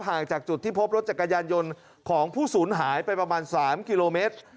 จากจุดที่พบรถจักรยานยนต์ของผู้สูญหายไปประมาณ๓กิโลเมตร